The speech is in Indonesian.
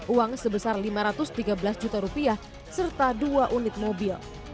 uang sebesar lima ratus tiga belas juta rupiah serta dua unit mobil